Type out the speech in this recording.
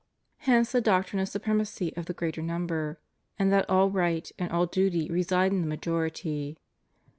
Hence the doctrine of the supremacy of the greater number, and that all right and all duty reside in the majority.